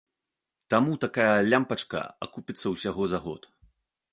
Таму такая лямпачка акупіцца ўсяго за год.